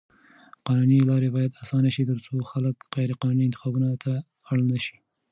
قانوني لارې بايد اسانه شي تر څو خلک غيرقانوني انتخابونو ته اړ نه شي.